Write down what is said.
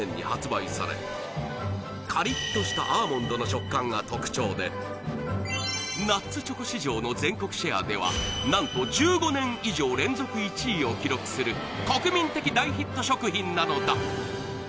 イエイ！が特徴でナッツチョコ市場の全国シェアでは何と１５年以上連続１位を記録する国民的大ヒット食品なのだ